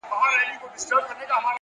هره موخه د نظم غوښتنه کوي!.